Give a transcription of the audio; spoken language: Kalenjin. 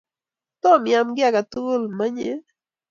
Tom iam ki ake tukul, manye?